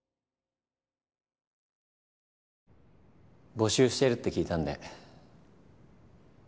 募集してるって聞いたんで。